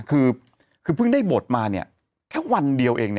คือเพิ่งได้บทมาแค่วันเดียวเอง